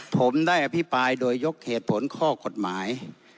ผมได้อภิปรายโดยยกเหตุผลข้อกฎหมาย